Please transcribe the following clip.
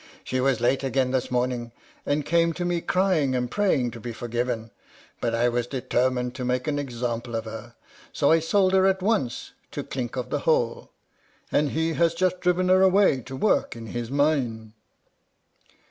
"She was late again this morning, and came to me crying and praying to be forgiven; but I was determined to make an example of her, so I sold her at once to Clink of the Hole, and he has just driven her away to work in his mine."